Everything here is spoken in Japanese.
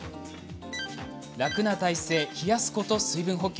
楽な体勢、冷やすこと、水分補給